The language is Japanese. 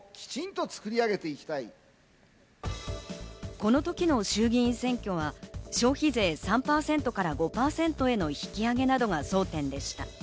この時の衆議院選挙は消費税３％から５％への引き上げなどが争点でした。